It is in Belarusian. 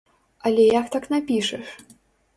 Але як так напішаш?